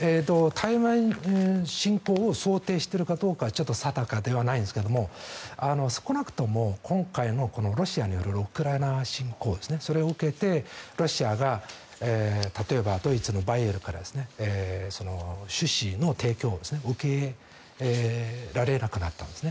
台湾侵攻を想定しているかどうかはちょっと定かではないんですが少なくとも今回のこのロシアによるウクライナ侵攻を受けてロシアが例えばドイツのバイエルから種子の提供を受けられなくなったんです。